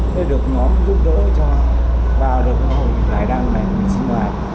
thế được nhóm giúp đỡ cho vào được cái hội giải đăng này mình sinh hoạt